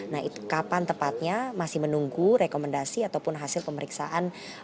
nah itu kapan tepatnya masih menunggu rekomendasi ataupun hasil pemeriksaan